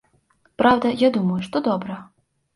Праўда, я думаю, што добра.